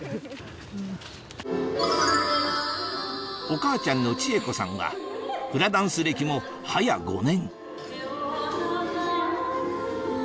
お母ちゃんの千惠子さんはフラダンス歴もはや５年